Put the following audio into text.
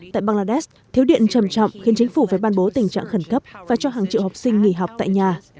tại bangladesh thiếu điện trầm trọng khiến chính phủ phải ban bố tình trạng khẩn cấp và cho hàng triệu học sinh nghỉ học tại nhà